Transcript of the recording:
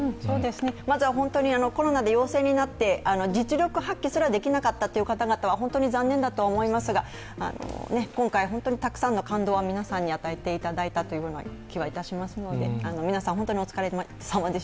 まずは本当にコロナで陽性になって実力発揮すらできなかった方々は本当に残念だと思いますが今回、本当にたくさんの感動を皆さんに与えていただいたと思うのでお天気です。